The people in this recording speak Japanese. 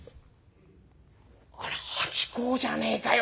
あれ八公じゃねえかよ！